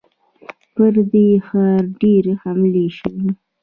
پر دې ښار ډېرې حملې شوي.